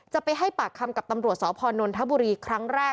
จะไปให้ปากคำกับตำรวจสพนนทบุรีครั้งแรก